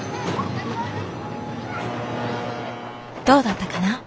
どうだったかな？